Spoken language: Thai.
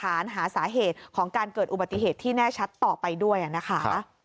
หาสาเหตุของการเกิดอุบัติเหตุที่แน่ชัดต่อไปด้วยนะคะ